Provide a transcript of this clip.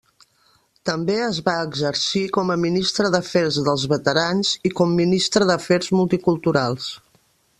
També es va exercir com a ministre d'Afers dels Veterans i com ministre d'Afers Multiculturals.